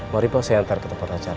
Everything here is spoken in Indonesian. mari pak saya antar ke tempat acara